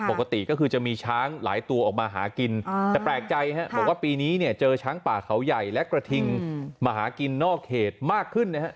ปกติก็คือจะมีช้างหลายตัวออกมาหากินแต่แปลกใจบอกว่าปีนี้เนี่ยเจอช้างป่าเขาใหญ่และกระทิงมาหากินนอกเขตมากขึ้นนะครับ